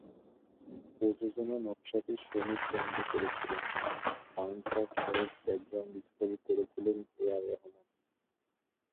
প্রযোজনা নকশাটি সমীর চন্দ করেছিলেন, সাউন্ডট্র্যাক সহ ব্যাকগ্রাউন্ড স্কোর করেছিলেন এ আর রহমান।